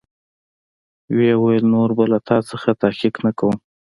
ويې ويل نور به له تا څخه تحقيق نه کوم.